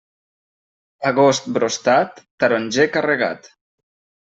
Agost brostat, taronger carregat.